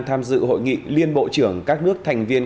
tham dự hội nghị liên bộ trưởng các nước thành viên